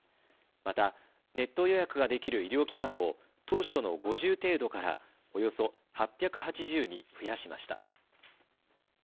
また、ネット予約ができる医療機関を当初の５０程度からおよそ８８０に増やしました。